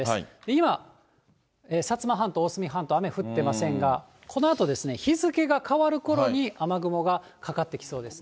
今、薩摩半島、大隅半島、雨降ってませんが、このあと日付が変わるころに、雨雲がかかってきそうですね。